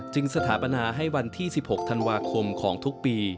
สถาปนาให้วันที่๑๖ธันวาคมของทุกปี